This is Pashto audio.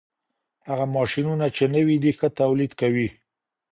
هغه ماشينونه چي نوي دي، ښه توليد کوي.